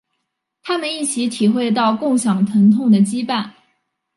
他们一起体会到共享疼痛的羁绊。